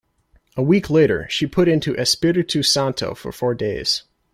A week later, she put into Espiritu Santo for four days.